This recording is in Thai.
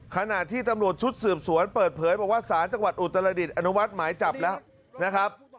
ขณะที่ตำรวจชุดสืบสวนเปิดเผยบอกว่าสารจังหวัดอุตรดิษฐ์อนุมัติหมายจับแล้วนะครับ